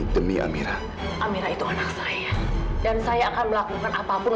terima kasih dokter